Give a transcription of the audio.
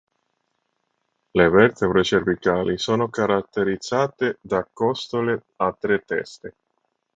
Le vertebre cervicali sono caratterizzate da costole a tre teste.